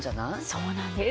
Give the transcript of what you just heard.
そうなんです！